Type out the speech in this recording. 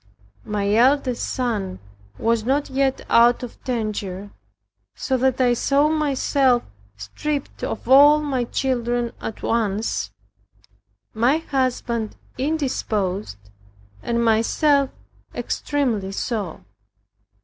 My eldest son was not yet out of danger, so that I saw myself stripped of all my children at once, my husband indisposed, and myself extremely so.